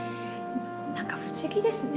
何か不思議ですね。